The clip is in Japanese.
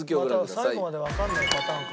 最後までわからないパターン。